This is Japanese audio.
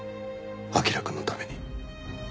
彬くんのために。